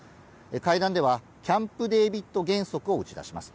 会談では、キャンプ・デービッド原則を打ち出します。